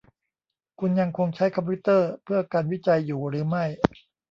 คุณยังคงใช้คอมพิวเตอร์เพื่อการวิจัยอยู่หรือไม่ ?